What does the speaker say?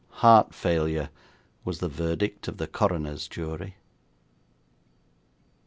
'Heart failure' was the verdict of the coroner's jury.